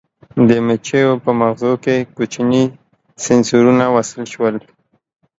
د مچیو په مغزو کې کوچني سېنسرونه وصل شول.